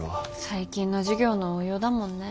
最近の授業の応用だもんね。